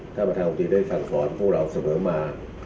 ท่านประธานกรุงศาสตร์ได้สั่งสอนผู้เราเสมอมา